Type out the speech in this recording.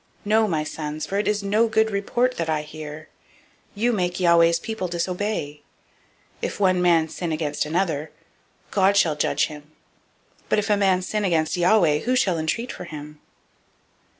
002:024 No, my sons; for it is no good report that I hear: you make Yahweh's people to disobey. 002:025 If one man sin against another, God shall judge him; but if a man sin against Yahweh, who shall entreat for him?